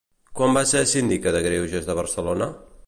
Quan va ser síndica de greuges de Barcelona?